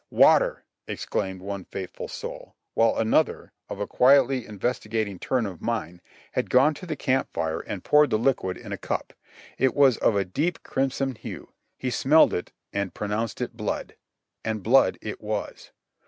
"Water!" exclaimed one faithful soul, while another, of a quietly investigating turn of mind, had gone to the camp fire and poured 174 JOHNNY REB AND BILLY YANK the liquid in a cnp. It was of a deep crimson hue ; he smelled it and pronounced it blood ! And blood it was.